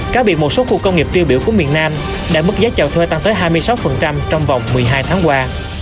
cá biệt một số khu công nghiệp tiêu biểu của miền nam đã mức giá chào thuê tăng tới hai mươi sáu trong vòng một mươi hai tháng qua